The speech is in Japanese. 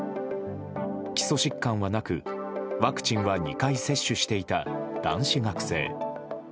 基礎疾患はなく、ワクチンは２回接種していた男子学生。